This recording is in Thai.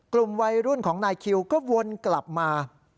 กลุ่มวัยรุ่นของนายคิวก็วนกลับมา